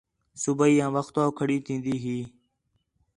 صُبیح آ وختوں کھڑی تھین٘دی ہی